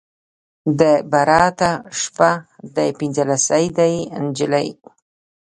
د براته شپه ده پنځلسی دی نجلۍ